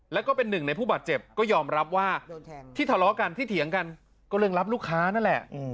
แล้วก็เป็นหนึ่งในผู้บาดเจ็บก็ยอมรับว่าที่ทะเลาะกันที่เถียงกันก็เรื่องรับลูกค้านั่นแหละ